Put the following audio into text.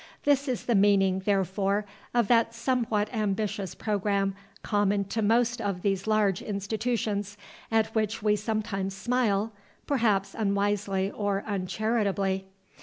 This is the meaning, therefore, of that somewhat ambitious programme common to most of these large institutions, at which we sometimes smile, perhaps unwisely or uncharitably.